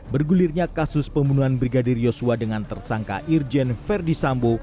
bergulirnya kasus pembunuhan brigadir yosua dengan tersangka irjen verdi sambo